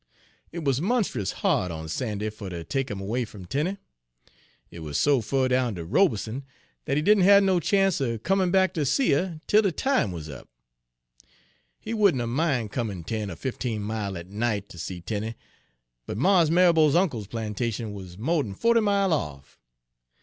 "It wuz monst'us hard on Sandy fer ter take 'im 'way fum Tenie. It wuz so fur down ter Robeson dat he didn' hab no chance er comin' back ter see her tel de time wuz up; he wouldn' 'a' mine comin' ten er fifteen mile at night ter see Tenie, but Mars Marrabo's uncle's plantation wuz mo' d'n forty mile off.